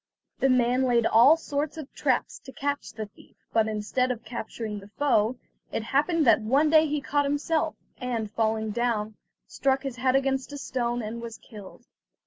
The man laid all sorts of traps to catch the thief, but instead of capturing the foe, it happened that one day he got caught himself, and falling down, struck his head against a stone, and was killed.